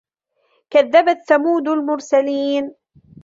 كَذَّبَتْ ثَمُودُ الْمُرْسَلِينَ